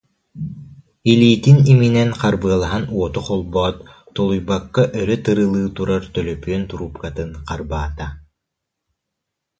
Илиитин иминэн харбыалаһан уоту холбоот, тулуйбакка өрө тырылыы турар төлөпүөн турууп- катын харбаата